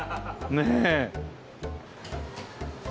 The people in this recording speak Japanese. ねえ。